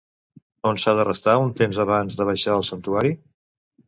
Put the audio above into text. On s'ha de restar un temps abans de baixar al santuari?